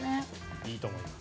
いいと思います。